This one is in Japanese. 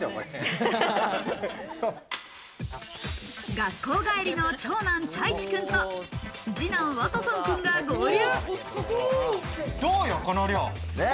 学校帰りの長男・チャイチ君と次男・ワトソン君が合流。